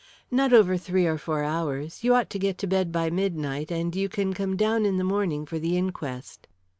"Not over three or four hours. You ought to get to bed by midnight, and you can come down in the morning for the inquest."